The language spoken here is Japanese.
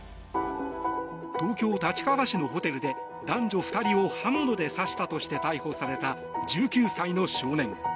東京・立川市のホテルで男女２人を刃物で刺したとして逮捕された１９歳の少年。